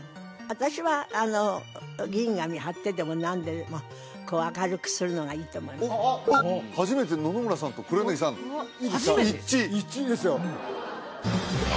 私は銀紙貼ってでも何でも明るくするのがいいと思いますおっ初めて野々村さんと黒柳さん一致一致ですよ